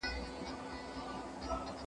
کېدای سي کتاب اوږد وي،